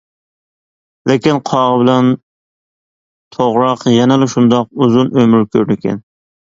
لېكىن قاغا بىلەن توغراق يەنىلا شۇنداق ئۇزۇن ئۆمۈر كۆرىدىكەن.